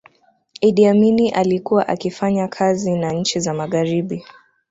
iddi amini alikuwa akifanya kazi na nchi za magharibi